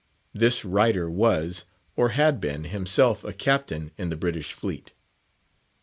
This writer was, or had been, himself a Captain in the British fleet.